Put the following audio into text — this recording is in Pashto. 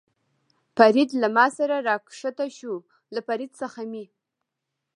فرید له ما سره را کښته شو، له فرید څخه مې.